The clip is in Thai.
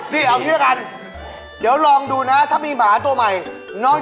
นี่นี่ผูกล่ามไปน่ะ